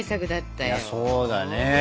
そうだね。